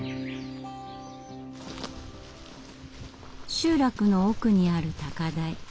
集落の奥にある高台。